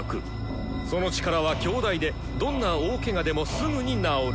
その力は強大でどんな大けがでもすぐに治る。